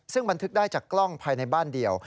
ซึ่งบันทึกได้จากกล้องภายในบ้านเดียว